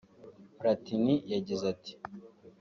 Platini yagize ati